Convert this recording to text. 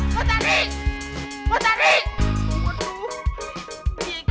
masalah yang paling ada kasih